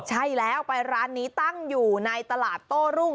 ใช่แล้วไปร้านนี้ตั้งอยู่ในตลาดโต้รุ่ง